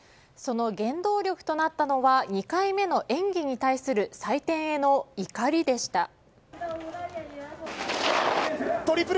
その原動力となったのは２回目の演技に対する採点への怒りでした。